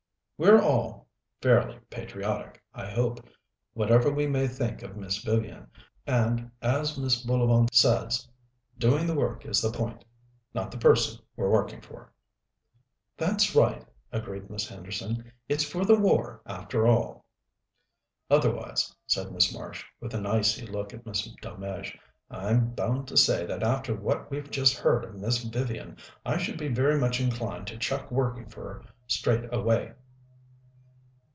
We're all fairly patriotic, I hope, whatever we may think of Miss Vivian, and, as Mrs. Bullivant says, doing the work is the point, not the person we're working for." "That's right," agreed Miss Henderson. "It's for the war, after all." "Otherwise," said Miss Marsh, with an icy look at Miss Delmege, "I'm bound to say that after what we've just heard of Miss Vivian I should be very much inclined to chuck working for her straight away."